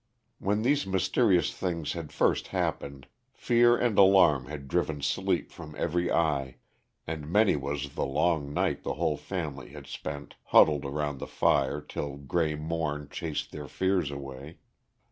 When these mysterious things had first happened, fear and alarm had driven sleep from every eye, and many was the long night the whole family had spent, huddled round the fire till gray morn chased their fears away.